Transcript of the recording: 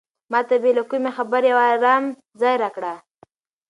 ما ته بې له کومې خبرې یو ارام ځای راکړه.